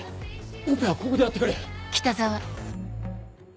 オペはここでやってくれ。